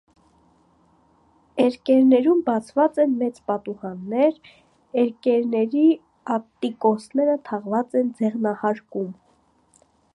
Էրկերներում բացված են մեծ պատուհաններ, էրկերների ատտիկոսները թաղված են ձեղնահարկում։